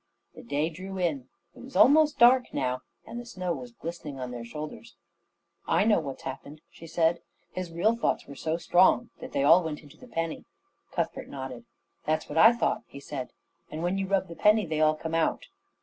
The day drew in. It was almost dark now, and the snow was glistening on their shoulders. "I know what's happened," she said. "His real thoughts were so strong that they all went into the penny." Cuthbert nodded. "That's what I thought," he said. "And when you rub the penny they all come out."